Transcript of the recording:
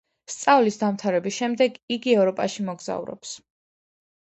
სწავლის დამთავრების შემდეგ იგი ევროპაში მოგზაურობს.